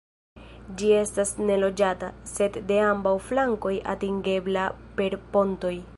Ĝi estas neloĝata, sed de ambaŭ flankoj atingebla per pontoj.